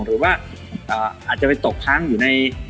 หรือว่าอาจจะไปตกค้างอยู่ใน